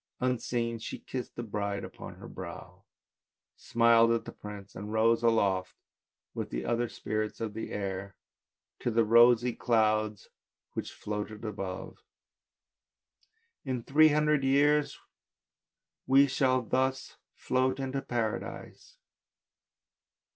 Unseen she kissed the bride on her brow, smiled at the prince and rose aloft with the other spirits of the air to the rosy clouds which sailed above. " In three hundred years we shall thus float into Paradise."